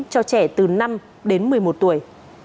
cho trẻ từ năm đến một mươi một tuổi